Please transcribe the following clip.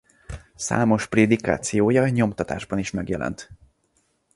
Számos prédikációja nyomtatásban is megjelent.